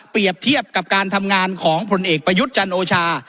เทียบกับการทำงานของผลเอกประยุทธ์จันโอชา